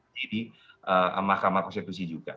jadi mahkamah konstitusi juga